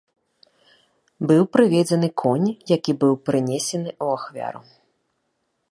Быў прыведзены конь, які быў прынесены ў ахвяру.